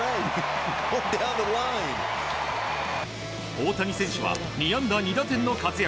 大谷選手は２安打２打点の活躍。